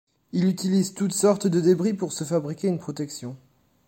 Il utilise toute sorte de débris pour se fabriquer une protection.